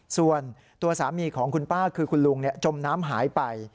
ส่วนตัวสามีของคุณป้าคือคุณลุงจมน้ำหายไป